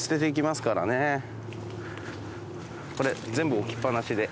これ全部置きっぱなしで。